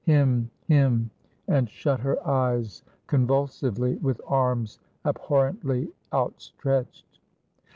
him him!" and shut her eyes convulsively, with arms abhorrently outstretched.